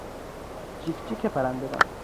جیک جیک پرندگان